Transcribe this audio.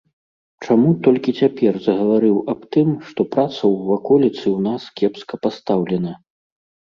Чаму толькі цяпер загаварыў аб тым, што праца ў ваколіцы ў нас кепска пастаўлена?